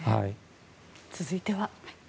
続いては。